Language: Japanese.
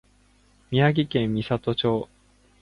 宮城県美里町